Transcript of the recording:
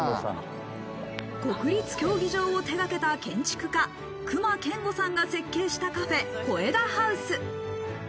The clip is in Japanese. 国立競技場を手がけた建築家、隈研吾さんが設計したカフェ、コエダハウス。